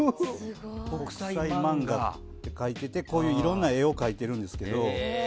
「北斎漫画」って書いててこういういろんな絵を描いてるんですけど。